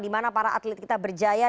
dimana para atlet kita berjaya